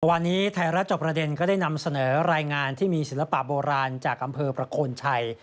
วันนี้ไทยรัฐจอบประเด็นก็ได้นำเสนอรายงานที่มีศิลปะโบราณจากอำเภอประโคนชัย